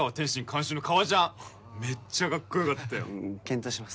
監修の革ジャンめっちゃカッコよかったよ検討します